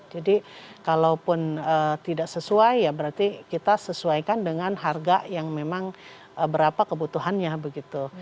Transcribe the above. jadi kalaupun tidak sesuai ya berarti kita sesuaikan dengan harga yang memang berapa kebutuhannya begitu